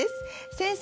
先生